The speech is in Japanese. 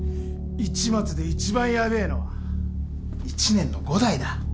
市松で一番ヤベえのは１年の伍代だ。